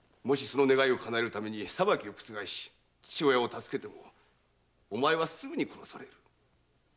もしその願いを叶えるために裁きを覆し父親を助けてもお前はすぐに殺される。